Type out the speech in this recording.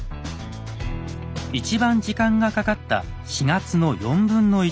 一番時間がかかった４月の1/4ほど。